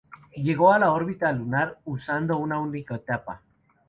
Llegó a la órbita lunar usando una única etapa.